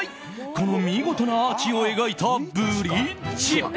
この見事なアーチを描いたブリッジ。